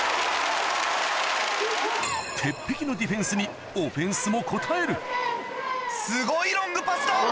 鉄壁のディフェンスにオフェンスも応えるすごいロングパスだ！